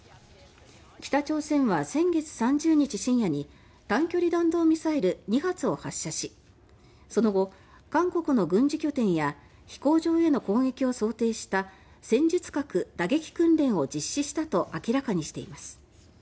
北朝鮮は先月３０日深夜に短距離弾道ミサイル２発を発射しその後、韓国の軍事拠点や飛行場への攻撃を想定した戦術核打撃訓練を実施したと明らかにしています。